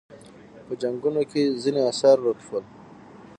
په جنګونو کې ځینې اثار ورک شول